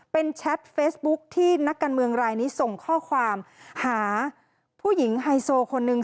เป็นแชทเฟซบุ๊คที่นักการเมืองรายนี้ส่งข้อความหาผู้หญิงไฮโซคนนึง